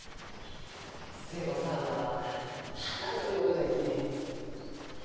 寿恵子さんは花のようじゃき。